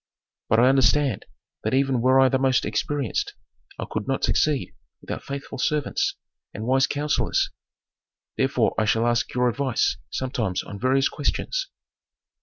"But I understand that even were I the most experienced I could not succeed without faithful servants and wise counsellors. Therefore I shall ask your advice sometimes on various questions."